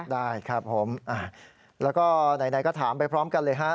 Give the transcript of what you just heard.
ได้ครับผมแล้วก็ไหนก็ถามไปพร้อมกันเลยฮะ